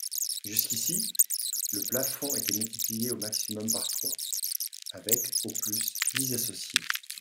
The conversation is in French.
Jusqu’ici, le plafond était multiplié au maximum par trois, avec au plus dix associés.